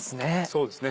そうですね。